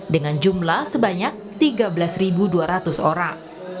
dengan jumlah sebanyak tiga belas dua ratus orang